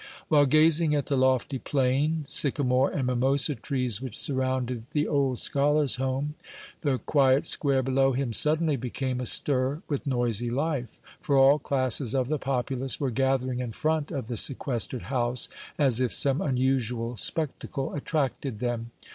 While gazing at the lofty plane, sycamore, and mimosa trees which surrounded the old scholar's home, the quiet square below him suddenly became astir with noisy life, for all classes of the populace were gathering in front of the sequestered house, as if some unusual spectacle attracted them.